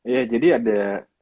ya jadi ada